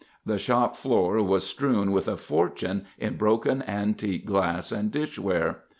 The shop floor was strewn with a fortune in broken antique glass and dishware.